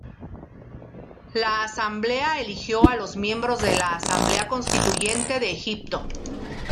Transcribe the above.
La Asamblea eligió a los miembros de la Asamblea Constituyente de Egipto.